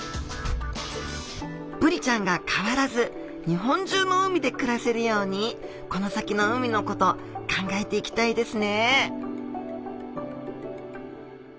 ブリちゃんが変わらず日本中の海で暮らせるようにこの先の海のこと考えていきたいですね